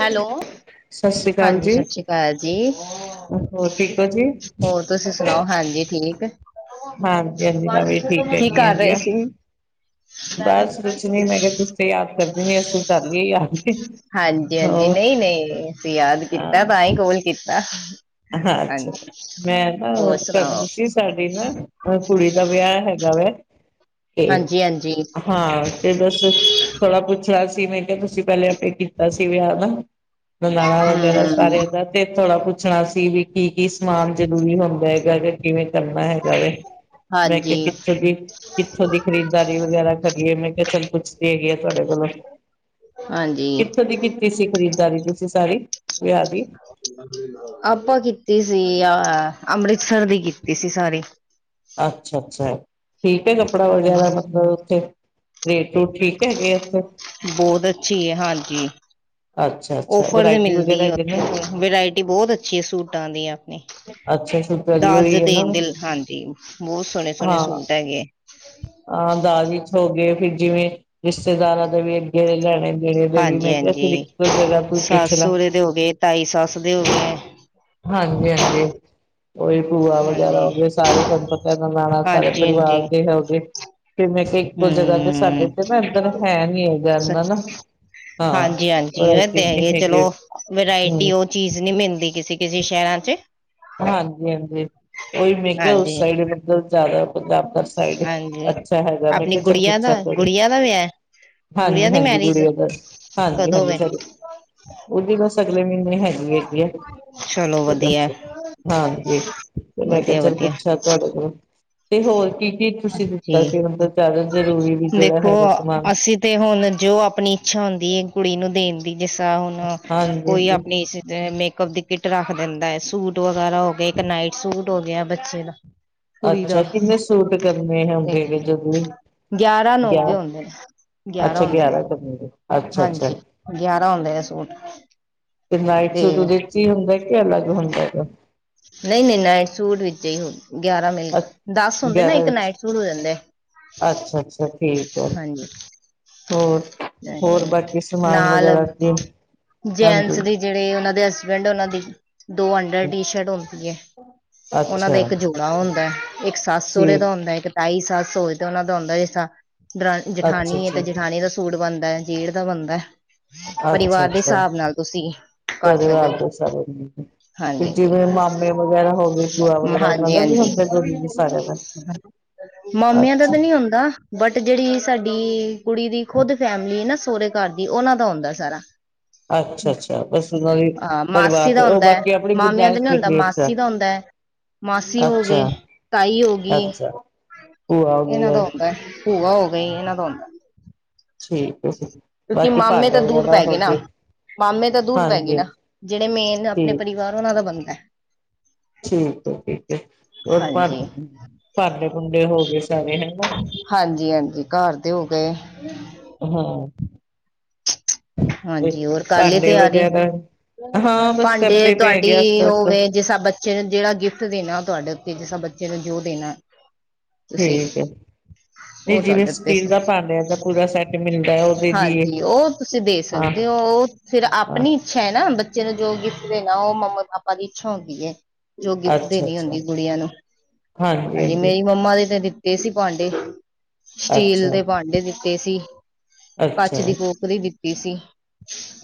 Hello, ਸਤਿ ਸ੍ਰੀ ਅਕਾਲ ਹਾਂਜੀ ਜੀ, ਸਤਿ ਸ੍ਰੀ ਅਕਾਲ ਜੀ। ਹੋਰ ਠੀਕ ਹੋ ਜੀ? ਹੋਰ ਤੁਸੀਂ ਸੁਨਾਓ ਹਾਂਜੀ ਠੀਕ। ਹਾਂਜੀ ਹਾਂਜੀ ਮੈਂ ਵੀ ਠੀਕ ਕੀ ਹੈਗੀ ਕਰ ਹੈਗੀ ਰੇ ਆ। ਸੀ? ਬਸ ਕੁਛ ਨੀ ਮੈਂ ਕਯਾ ਤੁਸੀ ਤੇ ਯਾਦ ਕਰਦੇ ਨੀ ਅਸੀਂ ਕਰ ਲਈਏ ਯਾਦ। ਹਾਂਜੀ ਹਾਂਜੀ ਹੋਰ ਨਈ-ਨਈ, ਅਸੀਂ ਯਾਦ ਕੀਤਾ ਹਾਂ ਤਾਂ ਈ ਕੋਲ ਕੀਤਾ। ਹਾਂ ਅੱਛਾ। ਹਾਂਜੀ ਮੈਂ ਨਾ ਹੋਰ ਸੁਣਾਓ ਕਰਨੀ ਸੀ ਸਾਡੀ ਨਾ ਕੁੜੀ ਦਾ ਵਿਆਹ ਹੈਗਾ ਵੈ। ਹਾਂਜੀ-ਹਾਂਜੀ। ਹਾਂ ਤੇ ਬੱਸ ਥੋੜ੍ਹਾ ਪੁੱਛਣਾ ਸੀ ਮੈਂ ਕਯਾ ਤੁਸੀਂ ਪਹਿਲੇ ਆਪੇ ਕੀਤਾ ਸੀ ਵਿਆਹ ਨਾ। ਬੁਲਾਣਾ ਵਗੈਰਾ ਹਮ ਸਾਰਿਆਂ ਦਾ। ਤੇ ਥੋੜ੍ਹਾ ਪੁੱਛਣਾ ਸੀ ਵੀ ਕੀ ਕੀ ਸਮਾਨ ਜਰੂਰੀ ਹੁੰਦਾ ਹੈਗਾ ਕਿ ਕਿਵੇਂ ਕਰਨਾ ਹੈਗਾ ਵੇ। ਮੈਂ ਕਯਾ ਹਾਂਜੀ ਕਿਥੋਂ ਦੀ ਕਿੱਥੋਂ ਦੀ ਖਰੀਦਦਾਰੀ ਵਗੈਰਾ ਕਰੀਏ ਮੈਂ ਕਯਾ ਚੱਲ ਪੁੱਛਦੀ ਹੈਗੀ ਆ ਤੁਹਾਡੇ ਕੋਲੋਂ। ਹਾਂਜੀ। ਕਿ ਸੀ ਖਰੀਦਦਾਰੀ ਤੁਸੀ ਸਾਰੀ ਵਿਆਹ ਦੀ? ਆਪਾਂ ਕੀਤੀ ਸੀ ਆ ਅੰਮ੍ਰਿਤਸਰ ਦੀ ਕੀਤੀ ਸੀ ਸਾਰੀ। ਅੱਛਾ-ਅੱਛਾ ਠੀਕ ਐ ਕੱਪੜਾ ਹਾਂਜੀ, ਵਗੈਰਾ ਮਤਲਬ ਓਥੇ? ਰੇਟ ਰੂਟ ਠੀਕ ਹੈਗੇ ਓਥੇ? ਬੋਤ ਅੱਛੀ ਏ ਹਾਂਜੀ। ਅੱਛਾ ਅੱਛਾ ਓਫਰ ਤੇ ਵਰਾਇਟੀ ਮਿਲਦੀ ਵਗੈਰਾ ਏ ਹੈਗੇ ਓਥੇ ਨੇ ਵਰਾਇਟੀ ਬੋਤ ਅੱਛੀ ਏ ਸੂਟਾਂ ਦੀ ਅਪਨੀ। ਅੱਛਾ ਸੁਤਰੀ ਦਾਜ ਹੋਈ ਹੈ ਨਾ ਦੇਨ ਦੇ, ਹਾਂਜੀ ਬੋਤ ਸੋਣੇ ਸੋਣੇ ਸੂਟ ਹੈਗੇ। ਹਾਂ ਦਾਜ਼ ਵਿੱਚ ਹੋ ਫਿਰ ਜਿਵੇਂ ਰਿਸ਼ਤੇਦਾਰਾਂ ਦੇ ਵੀ ਅੱਗੇ ਲੈਣੇ। ਦੇਣੇ ਦੇ ਵੀ ਹਾਂਜੀ ਮੈਂ ਕਯਾ ਫਿਰ ਹਾਂਜੀ ਇੱਕੋ ਜਗ੍ਹਾ ਤੂ ਪੁੱਛ ਸੱਸ ਲਾਂ। ਸਹੁਰੇ ਦੇ ਹੋ ਗਏ ਤਾਈ ਸੱਸ ਦੇ ਹੋ ਗਏ ਹਾਂਜੀ-ਹਾਂਜੀ, ਓਈ ਭੂਆ ਵਗੈਰਾ ਹਾਂਜੀ ਹੋਗੇ ਸਾਰੇ। ਤੁਆਨੁ ਪਤਾ ਨਣਾਣਾ ਸਾਰੇ ਹਾਂਜੀ ਹਾਂਜੀ ਪਰਵਾਰ ਦੇ ਹੋਗੇ। ਫੇਰ ਮੈਂ ਕਯਾ ਇੱਕੋ ਜਗ੍ਹਾ ਤੇ ਸਾਡੇ ਹਮ ਤੇ ਨਾ ਏਧਰ ਹੈ ਨੀ ਹੈਗਾ ਏਨਾਂ ਨਾ। ਹਾਂਜੀ-ਹਾਂਜੀ ਹਾਂ ਐ ਇੱਥੇ ਤੇ ਨੀ ਹੈਗੇ ਚਲੋ ਹਮ ਵਰਾਇਟੀ ਓ ਚੀਜ਼ ਨੀ ਮਿਲਦੀ ਕਿਸੀ ਕਿਸੀ ਸ਼ਹਿਰਾਂ 'ਚ। ਹਾਂਜੀ ਹਾਂਜੀ ਓਈ ਮੈਂ ਕਯਾ ਉਸ ਹਾਂਜੀ ਸਾਈਡ ਮਤਲਬ ਜਾਦਾ ਪੰਜਾਬ [unintelligible] ਸਾਈਡ ਹਾਂਜੀ ਅੱਛਾ ਹੈਗਾ ਮੈਂ ਆਪਣੀ ਕਯਾ ਚੱਲ ਗੁੜੀਆਂ ਦਾ [unintelligible] ਗੁੜੀਆਂ ਦਾ ਵਿਆਹ ਗੁੜੀਆਂ ਦੀ ਹਾਂਜੀ-ਹਾਂਜੀ ਮੈਰਿਜ [unintelligible] ਕਦੋਂ ਹਾਂਜੀ-ਹਾਂਜੀ ਵੇ ਸਾਡੇ ਉਦੀ ਬਸ ਅਗਲੇ ਮਹੀਨੇ ਹੈਗੀ ਹੈਗੀ ਏ ਚਲੋ ਤੇ ਵਧੀਆ ਬਸ ਹਾਂਜੀ ਤੇ ਮੈਂ ਕਯਾ ਵਧੀਆ ਚੱਲ ਵਧੀਆ ਪੁੱਛਾ ਤੁਹਾਡੇ ਕੋਲੋਂ ਤੇ ਹੋਰ ਕੀ ਕੀ ਤੁਸੀਂ ਦਿੱਤਾ ਜੀ ਸੀ ਮਤਲਬ ਜਾਦਾ ਜ਼ਰੂਰੀ ਵੀ ਜੇੜਾ ਦੇਖੋ ਹੈਗਾ ਸਮਾਨ? ਅਸੀਂ ਤੇ ਹੁਨ ਜੋ ਅਪਨੀ ਇੱਛਾ ਹੁੰਦੀ ਏ ਕੁੜੀ ਨੂੰ ਦੇਨ ਦੀ ਦੀ ਜਿਸ ਤਰ੍ਹਾਂ ਹੁਨ ਕੋਈ ਹਾਂਜੀ-ਹਾਂਜੀ ਅਪਨੀ ਅ ਮੇਕਅਪ ਦੀ ਕਿੱਟ ਰੱਖ ਦੇਂਦਾ ਐ ਸੂਟ ਟ ਵਗੈਰਾ ਹੋ ਗਏ ਇੱਕ ਨਾਈਟ ਸੂਟ ਹੋ ਗਿਆ ਬੱਚੇ ਦਾ। ਕੁੜੀ ਦਾ ਅੱਛਾ ਕਿੰਨੇ ਸੂਟ ਕਰਨੇ ਤੇ ਹੁੰਦੇ ਨੇ ਜਦ ਵੀ ਗਿਆਰਾਂ ਗਿਆ ਨੋਗੇ ਹੁੰਦੇ ਨੇ ਅੱਛਾ ਹੁੰਦੇ ਨੇ ਗਿਆਰਾਂ ਕਰਨੇ ਨੇ ਹਾਂਜੀ ਗਿਆਰਾਂ ਹੁੰਦੇ ਨੇ ਸੂਟ ਤੇ ਨਾਈਟ ਸੂਟ ਉਹਦੇ ਵਿੱਚ ਹੀ ਹੁੰਦਾ ਕਿ ਅਲੱਗ ਹੁੰਦਾ ਹੈ ਨਹੀਂ ਨਹੀਂ ਨਈਟ ਸੂਟ ਵਿੱਚ ਹੀ ਹੁੰਦਾ ਗਿਆਰਾਂ ਮਿਲ ਕੇ ਦਸ ਹੁੰਦੇ ਨਾ ਇੱਕ ਨਾਈਟ ਸ਼ੂਟ ਹੋ ਜਾਂਦਾ ਅੱਛਾ ਅੱਛਾ ਠੀਕ ਹੈ ਹੋਰ ਹੋਰ ਬਾਕੀ ਸਮਾਨ ਨਾਲ ਵਗੈਰਾ ਜਿ ਜੈਂਟਸ ਹਾਂਜੀ ਦੇ ਜਿਹੜੇ ਉਹਨਾਂ ਦੇ ਹਸਬੈਂਡ ਉਹਨਾਂ ਦੀ ਦੋ ਅੰਡਰ ਟੀ ਸ਼ਰਟ ਹੁੰਦੀ ਹੈ ਉਹਨਾਂ ਅੱਛਾ ਦਾ ਇੱਕ ਜੋ ਉਹ ਹੁੰਦਾ ਇੱਕ ਸੱਸ ਸਹਰੇ ਠੀਕ ਦਾ ਹੁੰਦਾ ਇੱਕ ਤਾਈ ਸੱਸ ਹੋਵੇ ਤੇ ਉਹਨਾ ਦਾ ਹੁੰਦਾ ਜ ਜ ਜਠਾਨੀ ਹੈ ਅੱਛਾ-ਅੱਛਾ, ਤੇ ਜਠਾਨੀ ਦਾ ਸੂਟ ਬਣਦਾ ਹੈ ਜੇਠ ਦਾ ਬਣਦਾ ਪਰਿਵਾਰ ਦੇ ਅੱਛਾ-ਅੱਛਾ ਹਿਸਾਬ ਨਾਲ ਤੁਸੀਂ ਕਰ ਸਕਦੇ ਹੋ ਪਰਿਵਾਰ ਦੇ ਸਾਰੇ ਹਾਂਜੀ ਹਾਂਜੀ ਜਿਵੇਂ ਮਾਮੇ ਵਗੈਰਾ ਹੋ ਗਏ ਭੂਆ ਵਗੈਰਾ ਉਹਨਾਂ ਹਾਂਜੀ ਦਾ ਵੀ ਹੁੰਦਾ ਜ਼ਰੂਰੀ ਸਾਰਿਆਂ ਹਾਂਜੀ ਦਾ ਮਾਮਿਆਂ ਦਾ ਅੱਛਾ। ਤਾਂ ਨੀ ਹੁੰਦਾ ਬਟ ਜਿਹੜੀ ਸਾਡੀ ਕੁੜੀ ਦੀ ਖੁਦ ਫੈਮਿਲੀ ਨਾ ਸਹੁਰੇ ਘਰ ਦੀ ਉਹਨਾਂ ਦਾ ਹੁੰਦਾ ਸਾਰਾ ਅੱਛਾ ਅੱਛਾ ਬਸ ਉਹਨਾਂ ਦੀ ਹਾਂ ਮਾਸੀ ਪਰਿਵਾਰ ਦੇ ਦਾ ਉਹ ਹੁੰਦਾ ਹੈ ਬਾਕੀ ਆਪਣੀ ਮਾਮਿਆਂ ਦਾ ਗੁਜਾਇਸ਼ ਨੀ ਹੁੰਦਾ ਮਾਸੀ ਦਾ ਹੁੰਦਾ ਹੈ ਮਾਸੀ ਹੋ ਗਏ ਅੱਛਾ, ਤਾਈ ਹੋ ਗਈ ਅੱਛਾ ਭੂਆ ਹੋ ਇਹਨਾਂ ਦਾ ਜਾਏ ਹੁੰਦਾ ਭੂਆ ਹੋ ਗਈ ਇਹਨਾਂ ਦਾ ਹੁੰਦਾ ਠੀਕ ਹੈ ਕਿਉਂਕਿ ਬਾਕੀ ਮਾਮੇ ਭਾਂਡੇ ਤਾਂ ਦੂਰ ਵਗੈਰਾ ਪੈ ਹੋ ਨਾ ਗਏ ਮਾਮੇ ਤਾਂ ਦੂਰ ਪੈ ਗਏ ਹਾਂਜੀ ਨਾ ਜਿਹੜੇ ਮੇਨ ਆਪਣੇ ਠੀਕ ਪਰਿਵਾਰ ਉਹਨਾਂ ਦਾ ਬਣਦਾ ਹੈ ਠੀਕ ਹੈ ਠੀਕ ਹੈ ਹੋਰ ਹਾਂਜੀ ਭ ਭਾਂਡੇ ਭੁੰਡੇ ਹੋ ਗਏ ਸਾਰੇ ਹਨਾ ਹਾਂਜੀ ਹਾਂਜੀ ਘਰ ਦੇ ਹੋ ਗਏ ਹਮ ਹਾਂਜੀ ਹੋਰ ਕੱਲ ਲਈ ਭਾਂਡੇ ਤਿਆਰੀ ਵਗੈਰਾ ਹਾਂ ਬਸ ਭਾਂਡੇ ਕਰਦੇ ਪਏ ਤੁਹਾਡੀ ਹੈਗੇ ਆਸਤੇ ਉਹ ਆਸਤੇ ਵੇ ਜਿਸ ਸ ਬੱਚੇ ਨੂੰ ਜਿਹੜਾ ਗਿਫਟ ਦੇਣਾ ਤੁਹਾਡੇ ਉੱਤੇ ਜਿਸ ਸਾਂ ਬੱਚੇ ਨੂੰ ਜੋ ਦੇਣਾ ਤੁਸੀਂ ਠੀਕ ਹੈ ਨਹੀਂ ਉਹ ਜਿਵੇਂ ਤੁਹਾਡੇ ਉੱਤੇ ਸਟੀਲ ਦਾ ਭਾਂਡਿਆ ਦਾ ਪੂਰਾ ਸੈੱਟ ਮਿਲਦਾ ਉਹ ਦੇਦੀਏ ਤੁਸੀ ਦੇ ਸਕਦੇ ਹੋ ਫਿਰ ਹਾਂ ਆਪਣੀ ਇੱਛਾ ਹੈ ਨਾ ਬੱਚੇ ਨੂੰ ਜੋ ਗਿਫਟ ਦੇਣਾ ਉਹ ਮੰਮਾ ਪਾਪਾ ਦੀ ਇੱਛਾ ਹੁੰਦੀ ਏ। ਜੋ ਗਿਫਟ ਅੱਛਾ ਦੇਣੀ ਅੱਛਾ ਹੁੰਦੀ ਕੁੜੀਆਂ ਨੂੰ ਹਾਂਜੀ ਨਈ ਮੰਮਾ ਦੇ ਤੇ ਦਿੱਤੇ ਸੀ ਭਾਂਡੇ ਸਟੀਲ ਅੱਛਾ ਦੇ ਭਾਂਡੇ ਦਿੱਤੇ ਸੀ ਕੱਚ ਅੱਛਾ ਦੀ ਬੋ ਵੀ ਦਿੱਤੀ ਸੀ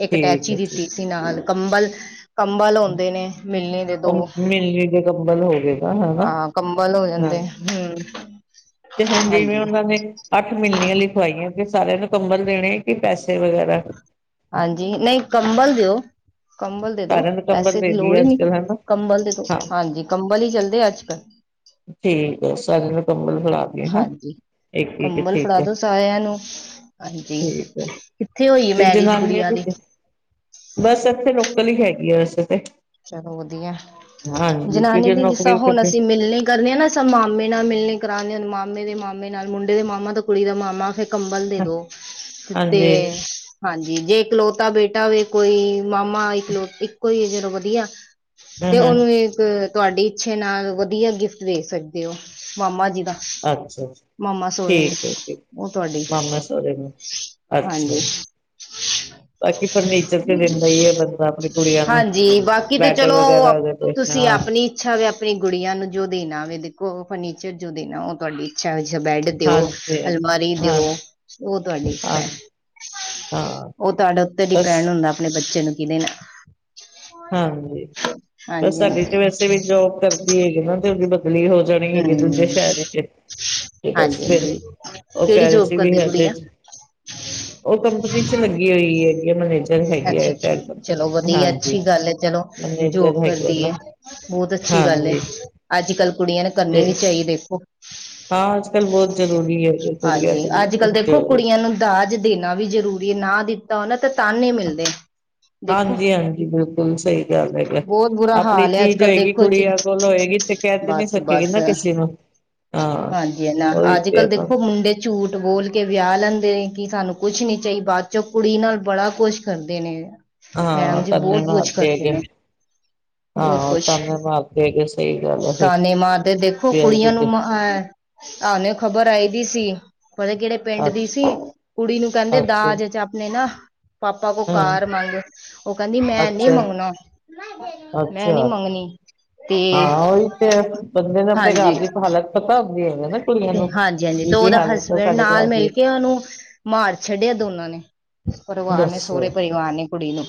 ਇੱਕ ਠੀਕ ਟੈਚੀ ਹੈ ਠੀਕ ਦਿੱਤੀ ਸੀ ਨਾਲ ਕੰਬਲ ਕੰਬਲ ਹੈ, ਹੁੰਦੇ ਨੇ ਮਿਲਣੀ ਦੇ ਦੋ ਉਹ ਮਿਲਣੀ ਦੇ ਕੰਬਲ ਹੋ ਗਏ ਨਾ ਹਨਾ ਹਾਂ ਕੰਬਲ ਹੋ ਹਾਂ ਜਾਂਦੇ ਹਮ ਤੇ ਹੁਣ ਜਿਵੇਂ ਹਾਂਜੀ ਉਹਨਾਂ ਨੇ ਅੱਠ ਮਿਲਣੀਆਂ ਲਿਖਵਾਈਆਂ ਕਿ ਸਾਰਿਆਂ ਨੂੰ ਕੰਬਲ ਦੇਣੇ ਕਿ ਪੈਸੇ ਵਗੈਰਾ ਹਾਂਜੀ ਨਹੀਂ ਕੰਬਲ ਦਿਓ ਕੰਬਲ ਦੇ ਦੋ ਸਾਰਿਆਂ ਨੂੰ ਕੰਬਲ ਪੈਸੇ ਦੀ ਦੇ ਲੋੜ ਦੀਏ ਹੀ ਅੱਜ ਨਹੀਂ ਕੱਲ ਹਨਾ ਕੰਬਲ ਦੇ ਦੋ ਹਾਂ ਹਾਂਜੀ ਕੰਬਲ ਹੀ ਚੱਲਦੇ ਆ ਅੱਜ ਕੱਲ੍ਹ ਠੀਕ ਏ ਸਾਰਿਆਂ ਨੂੰ ਕੰਬਲ ਫੜਾ ਦੀਏ ਹਾਂ ਹਾਂਜੀ ਇੱਕ ਇੱਕ ਕੰਬਲ ਠੀਕ ਫੜਾ ਹੈ ਦੋ ਸਾਰਿਆਂ ਨੂੰ ਹਾਂਜੀ ਠੀਕ ਹੈ ਕਿੱਥੇ ਹੋਈ ਤੇ ਮੈਰਿਜ ਜਨਾਨੀਆਂ ਗੁੜੀਆ ਦੀ ਬਸ ਇੱਥੇ ਲੋਕਲ ਹੀ ਹੈਗੀ ਆ ਵੈਸੇ ਤੇ ਚਲੋ ਵਧੀਆ ਹਾਂਜੀ ਜਨਾਨੀਆਂ ਕਿਉਂਕਿ ਦੀ ਜਿਸ ਤਰ੍ਹਾਂ ਨੌਕਰੀ ਹੁਣ ਕਰਦੇ ਅਸੀਂ ਮਿਲਣੀ ਕਰਨ ਆ ਨਾ ਸ ਮਾਮੇ ਨਾਲ ਮਿਲਣੀ ਕਰਾਉਂਦੇ ਮਾਮੇ ਦੇ ਮਾਮੇ ਨਾਲ ਮੁੰਡੇ ਦੇ ਮਾਮਾ ਤਾਂ ਕੁੜੀ ਦਾ ਮਾਮਾ ਫ ਕੰਬਲ ਦੇ ਦੋ ਤੇ ਹਾਂਜੀ ਹਾਂਜੀ ਜੇ ਇਕਲੋਤਾ ਬੇਟਾ ਹੋਵੇ ਕੋਈ ਮਾਮਾ ਇੱਕ ਲੋ ਇੱਕੋ ਹੀ ਜਦੋਂ ਵਧੀਆ ਹੂੰ ਤੇ ਹੂੰ ਉਹਨੂੰ ਤੁਹਾਡੀ ਇੱਛੇ ਨਾਲ ਵਧੀਆ ਗਿਫਟ ਦੇ ਸਕਦੇ ਹੋ ਮਾਮਾ ਜੀ ਦਾ ਅੱਛਾ ਮਾਮਾ ਸੋਹਰੇ ਨੂੰ ਠੀਕ ਹੈ ਠੀਕ ਉਹ ਤੁਹਾਡੀ ਮਾਮਾ ਸਰੇ ਅੱਛਾ ਹਾਂਜੀ ਜ ਬਾਕੀ ਫਰਨੀਚਰ ਤੇ ਦਿੰਦਾ ਈ ਐ ਬੰਦਾ ਆਪਣੀ ਕੁੜੀਆਂ ਨੂੰ ਹਾਂਜੀ ਬਾਕੀ ਤੇ ਬੈਡ ਚਲੋ ਉਹ ਵਗੈਰਾ ਉਹਦੇ ਤੇ ਤੁਸੀਂ ਹਾਂ ਆਪਣੀ ਇੱਛਾ ਵਵੇ ਆਪਣੀ ਗੁੜੀਆਂ ਨੂੰ ਜੋ ਦੇਣਾ ਵਵੇ ਦੇਖੋ ਉਹ ਫਰਨੀਚਰ ਜੋ ਦੇਣਾ ਉਹ ਤੁਹਾਡੀ ਅੱਛਾ ਅਛ ਬੈਡ ਦਿਓ ਹਾਂਜੀ ਅਲਮਾਰੀ ਦਿਓ ਹਾਂ ਉਹ ਤੁਹਾਡੀ ਇੱਛਾ ਹਾਂ ਐ ਹਾਂ ਉਹ ਤੁਹਾਡਾ ਉੱਤਰ ਹੀ ਬਸ ਪੈਣ ਹੁੰਦਾ ਆਪਣੇ ਬੱਚੇ ਨੂੰ ਕਿਹਦੇ ਨਾਲ ਹਾਂਜੀ ਬਸ ਹਾਂਜੀ ਸਾਡੇ ਤੇ ਹਾਂਜੀ ਵੈਸੇ ਵੀ ਜੋਬ ਕਰਦੀ ਹੈਗੀ ਨਾ ਤੇ ਉਹਦੀ ਬਦਲੀ ਹੋ ਜਾਣੀ ਹੈਗੀ ਦੂਜੇ ਹਮ ਸ਼ਹਿਰ ਚ ਤੇ ਬਸ ਹਾਂਜੀ ਫਿਰ ਹਾਂਜੀ ਉਹ ਕਿਹੜੀ ਕਹਿ ਰਹੇ ਜੋਬ ਸੀ ਵੀ ਕਰਦੇ ਇਹਦੇ ਗੁੜੀਆ ਚ?? ਉਹ ਕੰਪਨੀ ਚ ਲੱਗੀ ਹੋਈ ਹੈਗੀ [unintelligible] ਹੈ ਅੱਛਾ ਅੱਛਾ ਟੈਕ ਚਲੋ ਵਧੀਆ ਹਾਂਜੀ ਅੱਛੀ ਗੱਲ ਏ ਚਲੋ ਮੈਨੇਜਰ ਜੋਬ ਹੈਗੇ ਕਰਦੀ ਐ ਨਾ ਬਹੁਤ ਅੱਛੀ ਗੱਲ ਏ ਹਾਂਜੀ ਅੱਜ ਕੱਲ ਕੁੜੀਆਂ ਨੂੰ ਤੇ ਕਰਨੀ ਵੀ ਚਾਹੀਦੀ ਦੇਖੋ ਹਾਂ ਅੱਜ ਕੱਲ੍ਹ ਬਹੁਤ ਜ਼ਰੂਰੀ ਐ ਹਾਂਜੀ ਅੱਜ ਕੱਲ ਦੇਖੋ ਕੁੜੀਆਂ ਨੂੰ ਦਾਜ ਦੇਣਾ ਵੀ ਜ਼ਰੂਰੀ ਹੈ ਨਾ ਦੀ ਤਾਂ ਉਹਨਾਂ ਤੇ ਤਨ ਹੀ ਮਿਲਦੇ ਦੇਖੋ ਹਾਂਜੀ ਹਾਂਜੀ ਬਿਲਕੁਲ ਸਹੀ ਗੱਲ ਹੈਗਾ ਬਹੁਤ ਬੁਰਾ ਆਪਣੀ ਹਾਲ ਹੈ ਅੱਜ ਚੀਜ਼ ਕੱਲ ਹੋਏਗੀ ਦੇਖੋ ਜੀ ਕੁੜੀਆਂ ਕੋਲ ਹੋਏਗੀ ਤੇ ਕਹਿ ਤੇ ਨੀ ਬਸ ਸਕੇਗੀ ਬਸ ਨਾ ਕਿਸੇ ਨੂੰ ਹਾਂ ਹਾਂਜੀ ਨਾ ਉਹੀ ਅੱਜ ਤੇ ਹੈ ਕੱਲ ਨਾਂ ਦੇਖੋ ਮੁੰਡੇ ਝੂਠ ਬੋਲ ਕੇ ਵਿਆਹ ਲੈਂਦੇ ਨੇ ਕਿ ਸਾਨੂੰ ਕੁੱਛ ਨੀ ਚਾਹੀਦਾ ਬਾਅਦ ਚੋਂ ਕੁੜੀ ਨਾਲ ਬੜਾ ਕੁੱਛ ਕਰਦੇ ਨੇ ਹਾਂ ਮੈਡਮ ਜੀ ਤਾਨੇ ਬਹੁਤ ਕੁੱਛ ਮਾਰਦੇ ਕਰਦੇ ਹੈਗੇ ਨੇ ਬਹੁਤ ਹਾਂ ਕੁੱਛ ਤਾਨੇ ਮਾਰਦੇ ਹੈਗੇ ਸਹੀ ਗੱਲ ਹੈ ਤਾਨੇ ਮਾਰਦੇ ਦੇਖੋ ਫਿਰ ਕੁੜੀਆਂ ਨੂੰ ਫਿਰ ਆਨੇ ਖਬਰ ਆਈ ਦੀ ਸੀ ਪਤਾ ਨੀ ਕਿਹੜੇ ਪਿੰਡ ਦੀ ਅੱਛਾ ਸੀ ਕੁੜੀ ਨੂੰ ਕਹਿੰਦੇ ਅੱਛਾ ਦਾਜ ਚ ਆਪਣੇ ਨਾ ਪਾਪਾ ਕੋਲ ਹਮ ਕਾਰ ਮੰਗ ਉਹ ਕਹਿੰਦੀ ਮੈਂ ਨਹੀਂ ਅੱਛਾ ਮੰਗਣਾ ਮੈਂ ਨਹੀਂ ਅੱਛਾ ਮੰਗਣੀ ਤੇ ਹਾਂ ਉਹੀ ਤੇ ਬੰਦੇ ਨੂੰ ਆਪਣੇ ਘਰ ਹਾਂਜੀ ਦੀ ਹਾਲਤ ਪਤਾ ਹੁੰਦੀ ਹੈ ਨਾ ਕੁੜੀਆਂ ਤੇ ਨੂੰ ਹਾਂਜੀ ਹਾਂਜੀ ਕੀ ਤੇ ਕੀ ਉਹਦਾ ਹਾਲਤ ਹੈ ਹਸਬੈਂਡ ਸਾਡੇ ਨਾਲ ਘਰ ਮਿਲ ਦੀ ਕੇ ਉਹਨੂੰ ਮਾਰ ਛੱਡਿਆ ਦੋਨਾਂ ਨੇ ਪਰਿਵਾਰ ਨੇ ਦੱਸੋ ਸੋਹੁਰੇ ਪਰਿਵਾਰ ਨੇ ਕੁੜੀ ਨੂੰ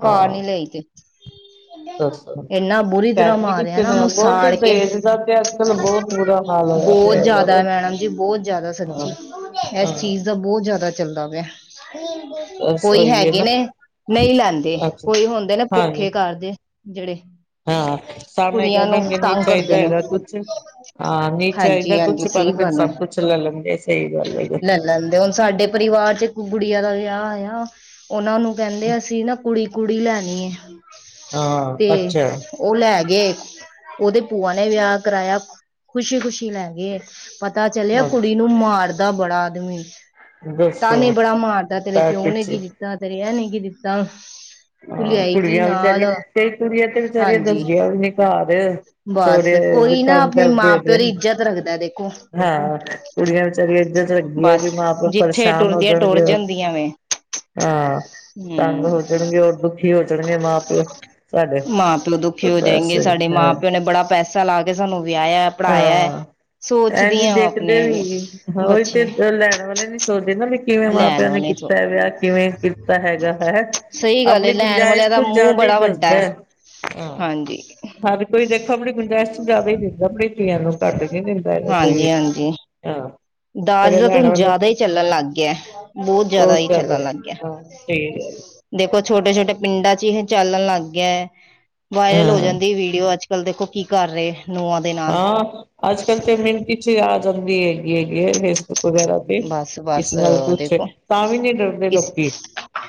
ਕਾਰ ਹਾਂ ਨੀ ਲਈ ਤੇ ਇਨਾ ਬੁਰੀ ਤਰ੍ਹਾਂ [unintelligible] ਮਾਰਿਆ ਤੇ ਨਾ ਨੇ ਉਹਨੂੰ ਬਹੁਤ ਸਾੜ ਕੇ ਦਾਜ ਦਾ ਤੇ ਅੱਜਕੱਲ੍ਹ ਬਹੁਤ ਬੁਰਾ ਹਾਲ ਹੋਇਆ ਬਹੁਤ ਪਿਆ ਹੈਗਾ ਵੇ ਜਿਆਦਾ ਮੈਡਮ ਜੀ ਬਹੁਤ ਜਿਆਦਾ ਹਾਂ ਸੱਚੀ ਇਸ ਹਾਂ ਚੀਜ਼ ਬਹੁਤ ਜ਼ਿਆਦਾ ਚੱਲਦਾ ਪਿਆ ਬਸ ਕੋਈ ਉਹੀ ਹੈ ਹੈਗੇ ਨਾ ਨੇ ਨਹੀਂ ਲੈਂਦੇ ਅੱਛਾ ਕੋਈ ਹੁੰਦੇ ਨਾ ਹਾਂਜੀ ਭੁੱਖੇ ਘਰ ਦੇ ਜਿਹੜੇ ਹਾਂ ਸਮਣੇ ਕਿਹ ਕੁੜੀਆਂ ਨੂੰ ਦੇਣਗੇ ਨਹੀਂ ਤੰਗ ਚਾਹਿਦਾ ਕਰਦੇ ਨੇ ਹੇਗਾ ਕੁੱਛ ਹਾਂ ਨਹੀਂ ਚਾਹੀਦਾ ਹੇਗਾ ਹਾਂਜੀ ਕੁੱਛ ਹਾਂਜੀ ਸਹੀ ਪਰ ਫੇਰ ਗੱਲ ਹੈ ਸਬ ਕੁੱਛ ਲੈ ਲੈਂਦੇ ਨੇ ਸਹੀ ਗੱਲ ਹੈ ਲੈ ਲੈਂਦੇ ਹੁਣ ਸਾਡੇ ਪਰਿਵਾਰ ਵਿੱਚ ਇੱਕ ਗੁੜੀਆਂ ਦਾ ਵਿਆਹ ਆਇਆ ਉਹਨਾਂ ਨੂੰ ਕਹਿੰਦੇ ਅਸੀ ਨਾ ਕੁੜੀ ਕੁੜੀ ਲੈਣੀ ਹੈ ਤੇ ਹਾਂ ਅੱਛਾ ਉਹ ਲੈ ਗਏ ਉਹਦੇ ਭੂਆ ਨੇ ਵਿਆਹ ਕਰਾਇਆ ਖੁਸ਼ੀ ਖੁਸ਼ੀ ਲੈਗੇ ਪਤਾ ਚੱਲਿਆ ਕੁੜੀ ਨੂੰ ਅੱਛਾ ਮਾਰਦਾ ਬੜਾ ਆਦਮੀ ਦੱਸੋ ਤਾਨੇ ਬੜਾ ਮਾਰਦਾ ਤੇਰੇ ਤਾਂ ਪਿਉ ਨੇ ਕੁਛ ਕੀ ਦਿੱਤਾ ਤੇਰੇ ਇਹ ਨੇ ਕੀ ਦਿੱਤਾ ਤੂੰ ਹਾਂ ਲਿਆਈ ਕੀ ਕੁੜੀਆਂ ਨਾਲ ਵਿਚਾਰੀਆਂ ਕਈ ਕੁੜੀਆਂ ਤੇ ਵਿਚਾਰੀਆਂ ਹਾਂਜੀ ਦੱਸਦੀਆਂ ਵੀ ਨੀ ਭਰਾ ਦੇ ਸੌਰੇ ਵੀ ਤੰਗ ਕਰਦੇ ਹੈਗੇ ਨੇ। ਪਤਾ ਲੱਗਦਾ ਦੇਖੋ। ਹਾਂ ਕੁੜੀਆਂ ਵਿਚਾਰੀਆਂ ਇੱਜਤ ਰੱਖਦੀ ਐ ਬਸ ਵੀ ਮਾਂ-ਪਿਓ ਜਿੱਥੇ ਪਰੇਸ਼ਾਨ ਹੋ ਟੁਰਦੀਆਂ ਟੁਰ ਜਾਨਗੇ। ਜਾਂਦੀਆਂ ਵੇ ਹਾਂ ਤੰਗ ਹਮ ਹੋ ਜਾਨਗੇ ਔਰ ਦੁਖੀ ਹੋ ਜਾਨਗੇ ਮਾਂ ਪਿਓ। ਸਾਡੇ ਮਾਂ ਪਿਓ ਦੁਖੀ ਤੇ ਹੋ ਬਸ ਜਾਏਂਗੇ ਸਾਡੇ ਮਾਂ ਹਾਂ ਓਨਾਂ ਨੇ ਬੜਾ ਪੈਸਾ ਲਾ ਕੇ ਸਾਨੂੰ ਵਿਆਏਐ ਪੜ੍ਹਾਇਐ। ਐ ਨੀ ਦੇਖਦੇ ਵੀ ਹਾਂ ਓਈ ਤੇ ਬੱਚੇ ਲੈਨ ਵਾਲੇ ਨੀ ਸੋਚਦੇ ਨਾ ਵੀ ਕਿਵੇਂ ਮਾਂ ਲੈਣ ਪਿਓ ਨੇ ਵਾਲੇ ਤੋਂ ਕੀਤਾ ਵਿਆਹ ਕਿਵੇਂ ਕੀਤਾ ਹੈਗਾ ਹੈ। ਸਹੀ ਗੱਲ ਏ ਆਪਨੀ ਲੈਣ ਗੁੰਜਾਇਸ਼ ਵਾਲਿਆਂ ਦਾ ਤੋਂ ਮੂੰਹ ਜ਼ਾਦਾ ਈ ਬੜਾ ਵੱਡਾ ਦੱਸਦੈ। ਹੈ ਹਾਂਜੀ। ਹਰ ਕੋਈ ਦੇਖੋ ਆਪਨੀ ਗੁੰਜਾਇਸ਼ ਤੋ ਜ਼ਾਦਾ ਈ ਦਿੰਦਾ ਆਪਨੀ ਧੀਆਂ ਨੂੰ ਘੱਟ ਨੀ ਦਿੰਦਾ ਹੈਗਾ। ਜੀ ਹਾਂਜੀ। ਏਆਂ। ਦਾਜ ਦਾ ਤਾਂ ਹੁਨ ਜਾਦਾ ਈ ਚੱਲਨ ਲੱਗ ਗੇਆ, ਬਹੁ ਜ਼ਾਦਾ ਬਹੁਤ ਈ ਚੱਲਨ ਜ਼ਿਆਦਾ ਲੱਗ ਗੇਆ। ਹਾਂ ਸਹੀ ਗੱਲ ਦੇਖੋ ਛੋਟੇ-ਛੋਟੇ ਪਿੰਡਾਂ ਚ ਈ ਚੱਲਨ ਲੱਗ ਗੇਆ ਐ, ਵਾਇਰਲ ਹੋ ਹਾਂ ਜਾਂਦੀ ਐ ਵੀਡੀਓ ਅੱਜ ਅੱਜ-ਕੱਲ ਦੇਖੋ ਕੀ ਕਰ ਰਏ ਨੂੰਆਂ ਹਾਂ ਅੱਜ-ਕੱਲ ਤੇ ਮਿੰਟ ਵਿਚ ਆ ਜਾਂਦੀ ਹੈਗੀ ਹੈਗੀ ਐ ਫੇਸਬੁੱਕ ਵਗੈਰਾ ਤੇ। ਬਸ ਇਸ ਬਸ ਨਾਲ ਕੁਛ ਦੇਖੋ ਤਾਂ ਵੀ ਨੀ ਡਰਦੇ ਕਿਸ ਲੋਕੀ,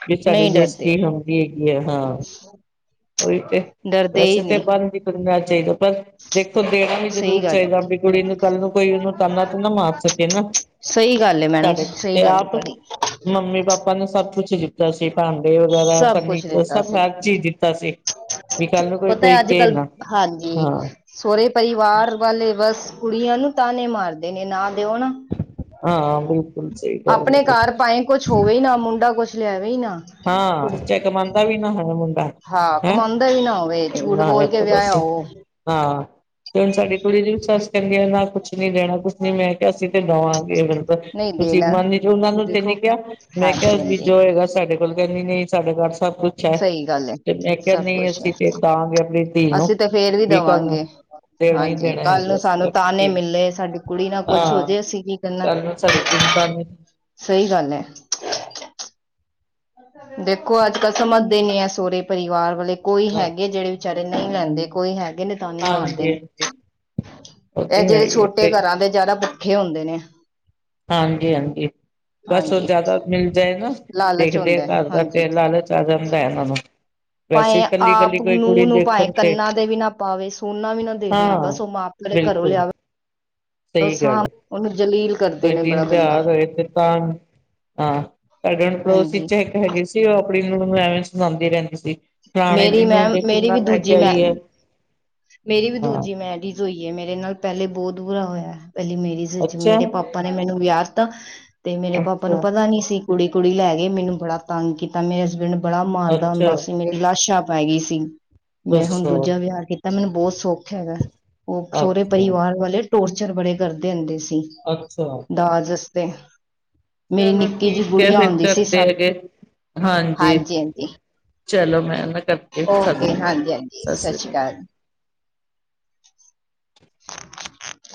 ਵੀ ਸਾਡੀ ਨਹੀਂ ਡਰਦੇ ਬੇਜ਼ਤੀ ਹੋਊ। ਵੀ ਹੈਗੀ ਐ ਹਾਂ। [inaudible] ਓਹੀ ਤੇ, ਡਰਦੇ ਹੀ ਵੈਸੇ ਤੇ ਨਹੀਂ ਬਨ ਵੀ ਬੰਨਨਾ ਚਾਈਦੈ। ਪਰ ਦੇਖੋ ਦੇਨਾ ਈ ਸਹੀ ਜ਼ਰੂਰ ਗੱਲ ਹੈ ਚਾਈਦਾ ਵੀ ਕੁੜੀ ਨੂੰ ਕੱਲ ਨੂੰ ਕੋਈ ਓਨੂੰ ਤਾਨਾ ਤੂੰਨਾ ਮਾਰ ਸਕੇ ਨਾ। ਸਈ ਗੱਲ ਏ ਮੈਡਮ ਸਾਡੇ ਜੀ ਸਈ ਤੇ ਗੱਲ ਏ ਆਪ ਤੁਆਡੀ। ਮੰਮੀ ਪਾਪਾ ਨੂੰ ਸਭ ਕੁਛ ਦਿੱਤਾ ਸੀ ਭਾਂਡੇ ਵਗੈਰਾ ਸਭ ਕੁਛ ਫਰਨੀਚਰ ਦਿੱਤਾ ਸਭ ਸੀ ਹਰ ਚੀਜ਼ ਦਿੱਤੀ ਦਿਤਾ ਸੀ ਵੀ ਕਾਂਲੂੰ ਕੋਈ ਕਏ ਨਾ ਹਾਂ। ਸੋਰੇ ਪਰਿਵਾਰ ਵਾਲੇ ਬਸ ਕੁੜੀਆਂ ਨੂੰ ਤਾਨੇ ਮਾਰਦੇ ਨੇ ਨਾ ਦਿਓ ਨਾ। ਹਾਂ ਬਿਲਕੁਲ ਸਈ ਗੱਲ ਏ ਆਪਣੇ ਘਰ ਤੁਆਡੀ। ਭਾਵੇਂ ਕੁਛ ਹੋਵੇ ਨਾ ਮੁੰਡਾ ਕੁਛ ਲਿਆਵੀ ਨਾ। ਹਾਂ ਕੁੜੀ ਚੈ ਕਮਾਂਦਾ ਵੀ ਨਾ ਹੋਵੇ ਮੁੰਡਾ ਹਾਂ ਹੈਂ ਕਮਾਉਂਦਾ ਵੀ ਨਾ ਹੋਵੇ ਝੂਠ ਨਾ ਐ ਬੋਲ ਕੇ ਤਾਂ ਵਿਆਹਿਆ ਦੱਸ ਉਹ ਹਾਂ ਤੇ ਹੁਨ ਸਾਡੇ ਕੁੜੀ ਦੀ ਸੱਸ ਕੈਂਦੀ ਨਾ ਕੁਛ ਨੀ ਦੇਣਾ ਕੁਛ ਨੀ ਮੈਂ ਕਿਆ ਅਸੀਂ ਤੇ ਦਵਾਂ ਮਤਲਬ ਨਹੀਂ ਤੁਸੀਂ ਦੇਣਾ ਮੰਨ ਵਿਚ ਓਨਾਂ ਨੂੰ ਤੇ ਦੇਖੋ ਨੀ ਕਿਆ ਮੈਂ ਕਿਆ ਹਾਂਜੀ ਵੀ ਹਾਂਜੀ ਜੋ ਹੈਗਾ ਸਾਡੇ ਕੈਂਦੇ ਨਈਂ-ਨਈਂ ਸਾਡੇ ਘਰ ਸਭ ਕੁੱਛ ਐ, ਸਹੀ ਗੱਲ ਹੈ ਤੇ ਮੈਂ ਕਿਆ ਸਭ ਨਈਂ ਕੁਛ ਹੈ ਅਸੀਂ ਤੇ ਦਆਂਗੇ ਆਪਨੀ ਧੀ ਨੂੰ, ਅਸੀਂ ਤਾਂ ਫੇਰ ਵੀ ਬਈ ਕਾਂਲੂੰ ਦੇਵਾਂਗੇ ਦੇਨਾ ਈ ਹਾਂਜੀ ਦੇਨਾ ਕੱਲ ਹੈਗਾ ਨੂੰ ਅਸੀਂ ਤਾਂ ਸਾਨੂੰ ਆਪਨੀ ਤਾਨੇ ਧੀ ਨੂੰ, ਮਿਲੇ ਸਾਡੀ ਕੁੜੀ ਨਾਲ ਕੁਛ ਹੋ ਹਾਂ। ਜੇ ਅਸੀਂ ਕੀ ਕਲ ਨੂੰ ਸਾਡੀ ਧੀ ਨੂੰ ਕਆਂਗੇ ਤੇ ਸਈ ਗੱਲ ਐ। ਦੇਖੋ ਅੱਜ ਕੱਲ ਸਮਝਦੇ ਨੀ ਐ ਸੋਰੇ ਪਰਿਵਾਰ ਵਾਲੇ ਕੋਈ ਹਾਂ ਹੈਗੇ ਵੀ ਜੇੜੇ ਵਿਚਾਰੇ ਨਈ ਲੈਂਦੇ ਕੋਈ ਹੈਗੇ ਨੇ। ਤਾਨੇ ਮਾਰਦੇ ਹਾਂਜੀ ਨੇ ਹਾਂਜੀ ਉਹ ਐ ਤੇ ਹੈ ਜੇੜੇ ਹੀ ਛੋਟੇ ਹੈ ਘਰਾਂ ਦੇ ਜ਼ਾਦਾ ਭੁੱਖੇ ਹੁੰਦੇ ਨੇ। ਹਾਂਜੀ-ਹਾਂਜੀ ਬਸ ਓ ਹਾਂਜੀ ਜ਼ਾਦਾ ਮਿਲ ਜਾਏ ਨਾ ਲਾਲਚ ਦੇਖਦੇ ਹੁੰਦਾ ਹੈ, ਘਰ ਬਾਰ ਹਾਂਜੀ ਫੇਰ ਲਾਲਚ ਆ ਜਾਂਦਾ ਏਨ੍ਹਾਂ ਨੂੰ। ਵੈਸੇ ਭਾਵੇ ਕੱਲੀ ਕੱਲੀ ਆਪ ਕੋਈ ਕੁੜੀ ਨੂੰਹ ਨੂੰ ਪਾਏ ਦੇਖਣ ਤੇ ਕੰਨਾਂ ਦੇ ਵੀ ਨਾ ਪਾਵੇ ਸੋਨਾ ਵੀ ਨਾ ਦੇਵੇ ਹਾਂ ਬਸ ਓ ਮਾਂ ਪ ਮਤਲਬ ਘਰੋਂ ਲਿਆਵੇ। ਸਈ ਗੱਲ ਐ। ਏਨੂੰ ਜਲੀਲ ਕਰਦੇ ਕ ਨੇ ਬੜਾ ਦਿਨ ਗੰਦਾ ਤਿਆਰ ਏ ਇਕ ਤਾਂ। ਹਾਂ ਸਾਡੇ ਪੜੋਸੀ ਹਾਂਜੀ ਚ ਇੱਕ ਹੈਗੀ ਸੀ। ਤੇ ਉਹ ਆਪਣੀ ਨੂੰਮਾਈਸ਼ ਲਾਂਦੀ ਰਹਿੰਦੀ ਸੀ। ਫਲਾਣੇ ਮੇਰੀ ਦੀ ਨੂੰਹ ਮੈਂਮ ਦੇਖ ਮੇਰੀ ਕਿੰਨਾ ਵੀ ਲੈ ਕੇ ਦੂਜੀ ਮੈ, ਆਈ ਹੈ ਮੇਰੀ ਵੀ ਹਾਂ ਦੂਜੀ ਮੈਰਿਜ ਹੋਈ ਏ। ਮੇਰੇ ਨਾਲ ਪਹਿਲੇ ਬਹੁਤ ਬੁਰਾ ਹੋਇਆ। ਪਹਿਲੀ ਮੈਰੀਜ ਜੀ ਜੀ, ਅੱਛਾ ਮੇਰੇ ਪਾਪਾ ਨੇ ਮੈਨੂੰ ਵਿਆਹ ਦਿੱਤਾ, ਤੇ ਮੇਰੇ ਪਾਪਾ ਨੂੰ ਅੱਛਾ ਪਹਿਲਾ ਨੀ ਸੀ। ਕੁੜੀ- ਕੁੜੀ ਲੈ ਗੇ ਮੈਨੂੰ ਬੜਾ ਤੰਗ ਕੀਤਾ ਮੇਰੇ ਹਸਬੈਂਡ ਬੜਾ ਮਾਰਦਾ ਅੱਛਾ ਹੁੰਦਾ ਸੀ। ਮੇਰੀ ਲਾਸ਼ਾਂ ਪੈ ਗਈ ਸੀ। ਮੈਂ ਹੁਣ ਦੱਸੋ ਦੂਜਾ ਵਿਆਹ ਕੀਤਾ। ਮੈਨੂੰ ਬਹੁਤ ਸੌਖੀ ਹੁਣ ਮੈ। ਉਹ ਸੋਹੁਰੇ ਅੱਛਾ ਪਰਿਵਾਰ ਵਾਲੇ ਟੋਚਰ ਬੜੇ ਕਰਦੇ ਹੁੰਦੇ ਸੀ। ਅੱਛਾ। ਦਾਜ ਵਾਸਤੇ। ਮੇਰੀ ਚਲੋ ਨਿੱਕੀ ਜੀ ਠੀਕ ਹੈ ਗੁੜੀਆਂ ਫਿਰ ਹੋਦੀ ਸੀ। ਕਰਦੇ ਸੱਤ ਹੈਗੇ ਹਾਂਜੀ ਹਾਂਜੀ। ਚਲੋ ਮੈਂ ਨਾ ਕਰਕੇ ਸਤਿ ਓਕੇ। ਸ੍ਰੀ ਅਕਾਲ ਹਾਂਜੀ ਹਾਂਜੀ। ਸਤਿ ਸ੍ਰੀ ਸਸ ਸ਼੍ਰੀ ਅਕਾਲ ਕਾਲ। [inaudible]